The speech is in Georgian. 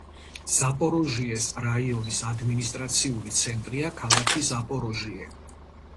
ზაპოროჟიეს რაიონის ადმინისტრაციული ცენტრია ქალაქი ზაპოროჟიე.